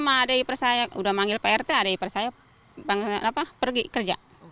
pertama ada iper saya udah panggil pak rt ada iper saya pergi kerja